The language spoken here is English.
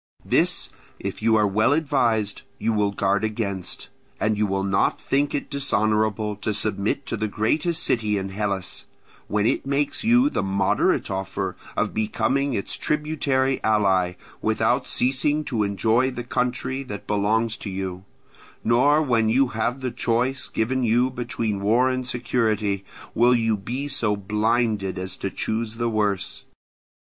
This, if you are well advised, you will guard against; and you will not think it dishonourable to submit to the greatest city in Hellas, when it makes you the moderate offer of becoming its tributary ally, without ceasing to enjoy the country that belongs to you; nor when you have the choice given you between war and security, will you be so blinded as to choose the worse.